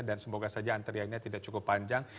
dan semoga saja antriannya tidak cukup panjang